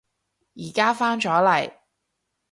而家返咗嚟